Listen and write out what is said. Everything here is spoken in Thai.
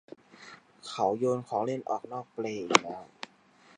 เขาโยนของเล่นออกนอกเปลอีกแล้ว